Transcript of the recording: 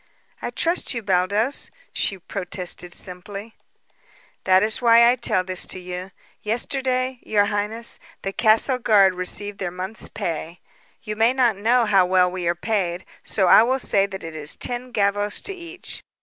"I trust you, Baldos," she protested simply. "That is why I tell this to you. Yesterday, your highness, the castle guard received their month's pay. You may not know how well we are paid, so I will say that it is ten gavvos to each.